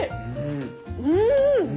うん！